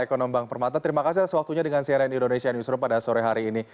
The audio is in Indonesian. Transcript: ekonomi bang permata terima kasih atas waktunya dengan cnn indonesia newsroom pada sore hari ini